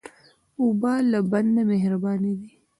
اوبه له بنده مهربانې دي.